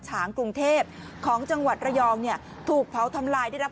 ฉางกรุงเทพของจังหวัดระยองเนี่ยถูกเผาทำลายได้รับ